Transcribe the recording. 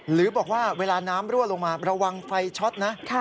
หรือบอกว่าเวลาน้ำรั่วลงมาระวังไฟช็อตนะ